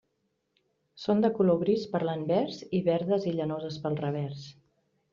Són de color gris per l'anvers i verdes i llanoses pel revers.